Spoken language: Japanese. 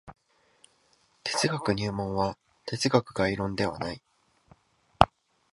哲学入門は哲学概論ではない。